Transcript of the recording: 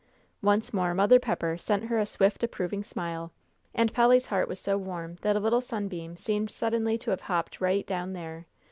Once more Mother Pepper sent her a swift approving smile, and Polly's heart was so warm that a little sunbeam seemed suddenly to have hopped right down there.